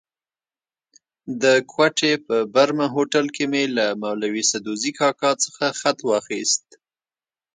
د کوټې په برمه هوټل کې مې له مولوي سدوزي کاکا څخه خط واخیست.